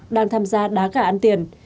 đang tham gia đá cả ăn tiền